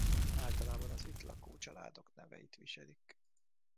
Általában az itt lakó családok neveit viselik.